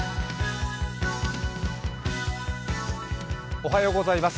おはようございます。